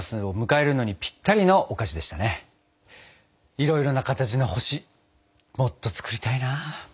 いろいろな形の星もっと作りたいな。